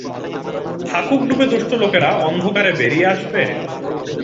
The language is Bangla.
থাকুক ডুবে দুষ্ট লোকেরা অন্ধকারে বেরিয়ে আসবে?